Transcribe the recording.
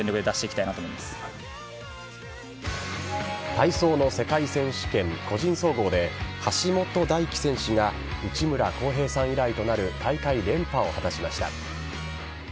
体操の世界選手権・個人総合で橋本大輝選手が内村航平さん以来となる大会連覇を果たしました。